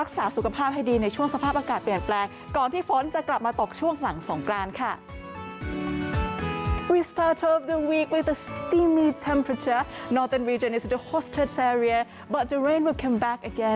สภาพอากาศเปลี่ยนแปลกก่อนที่ฟ้นจะกลับมาตกช่วงหลังสงกรานค่ะ